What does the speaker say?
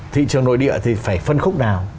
thị trường nội địa thì phải phân khúc nào